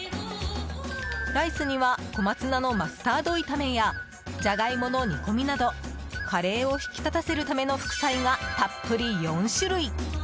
ライスには小松菜のマスタード炒めやジャガイモの煮込みなどカレーを引き立たせるための副菜が、たっぷり４種類。